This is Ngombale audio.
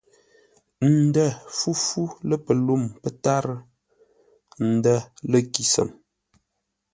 Ə̂ ndə̂ fúfú lə̂ pəlûm pə́tárə́ ə̂ ndə̂ lə̂ kíshəm.